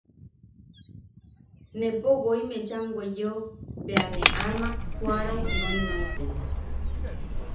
Nepo woi mecham weyeo bea ne amak joʼarau noinoiten.